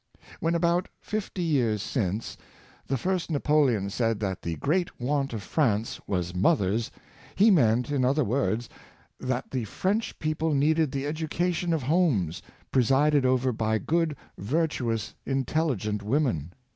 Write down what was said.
When, about fifty years since, the first Napoleon said that the great want of France was mothers, he meant, in other words, that the French people needed the education of homes, presided over by good, virtu ous, intelligent women.